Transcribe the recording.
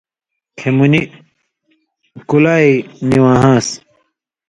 کھیں منی کُلائی نی واہان٘س۔